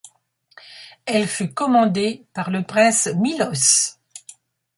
Elle fut commandée par le prince Miloš.